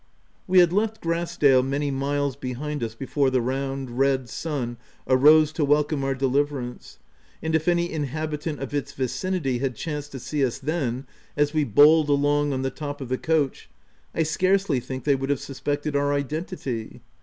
We had left Grass dale many miles behind us before the round, red sun arose to welcome our deliverance, and if any inhabitant of its vicinity had chanced to see us then, as we bowled along on the top of the coach, I scarcely think they would have suspected our identity.